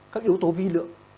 các yếu tố vi lượng